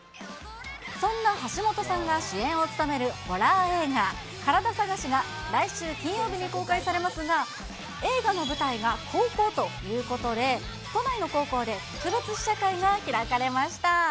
そんな橋本さんが主演を務めるホラー映画、カラダ探しが、来週金曜日に公開されますが、映画の舞台が高校ということで、都内の高校で特別試写会が開かれました。